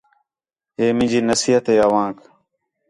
ہے مینجی نصیحت ہِے اوانک